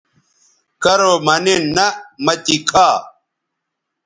کرو مہ نِن نہ مہ تی کھا